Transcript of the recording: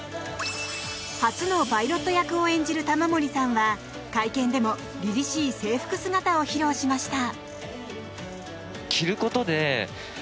初のパイロット役を演じる玉森さんは会見でもりりしい制服姿を披露しました。